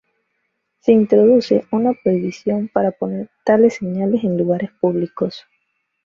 Se introduce una prohibición para poner tales señales en lugares públicos.